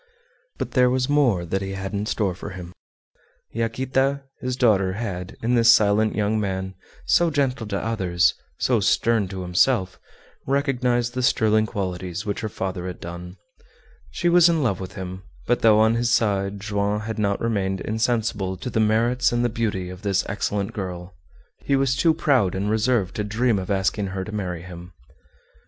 But there was more that he had in store for him. Yaquita, his daughter, had, in this silent young man, so gentle to others, so stern to himself, recognized the sterling qualities which her father had done. She was in love with him, but though on his side Joam had not remained insensible to the merits and the beauty of this excellent girl, he was too proud and reserved to dream of asking her to marry him.